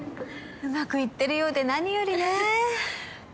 うまくいってるようで何よりね。